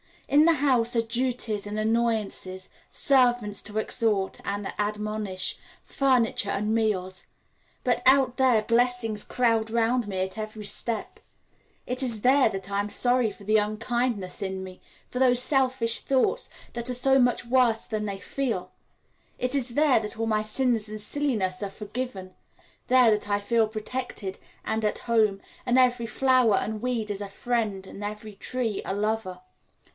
In the house are duties and annoyances, servants to exhort and admonish, furniture, and meals; but out there blessings crowd round me at every step it is there that I am sorry for the unkindness in me, for those selfish thoughts that are so much worse than they feel; it is there that all my sins and silliness are forgiven, there that I feel protected and at home, and every flower and weed is a friend and every tree a lover.